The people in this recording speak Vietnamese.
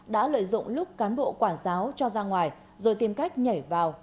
đã lợi dụng lúc cán bộ quản giáo cho ra ngoài rồi tìm cách nhảy vào